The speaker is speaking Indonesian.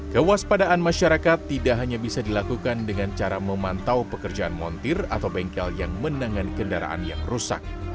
kewaspadaan masyarakat tidak hanya bisa dilakukan dengan cara memantau pekerjaan montir atau bengkel yang menangani kendaraan yang rusak